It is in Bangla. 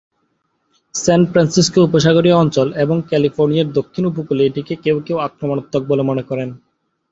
সান ফ্রান্সিসকো উপসাগরীয় অঞ্চল এবং ক্যালিফোর্নিয়ার দক্ষিণ উপকূলে এটিকে কেউ কেউ আক্রমণাত্মক বলে মনে করেন।